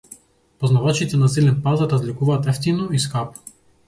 Познавачите на зелен пазар разликуваат евтино и скапо.